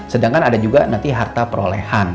sedangkan ada juga nanti harta perolehan